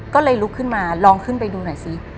ก็เลยลุกขึ้นมาลองขึ้นไปดูหน่อยสิ